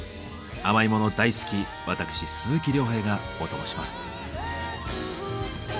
甘いもの大好き私鈴木亮平がオトモします。